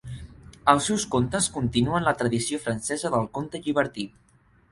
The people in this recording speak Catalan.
Els seus contes continuen la tradició francesa del conte llibertí.